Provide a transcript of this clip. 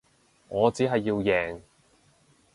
我只係要贏